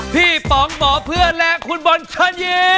พี่ป๋องหมอเพื่อนและคุณบนชันเย